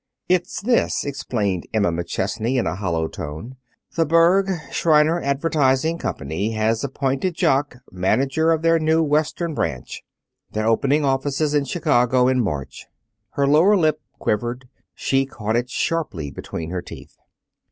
"It's this," explained Emma McChesney in a hollow tone: "The Berg, Shriner Advertising Company has appointed Jock manager of their new Western branch. They're opening offices in Chicago in March." Her lower lip quivered. She caught it sharply between her teeth.